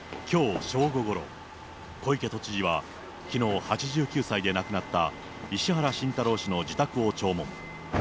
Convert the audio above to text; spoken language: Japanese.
きょう正午ごろ、小池都知事は、きのう８９歳で亡くなった石原慎太郎氏の自宅を弔問。